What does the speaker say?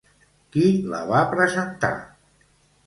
Qui la va presentar?